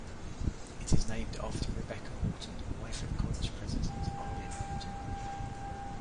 It is named after Rebekah Horton, wife of college president Arlin Horton.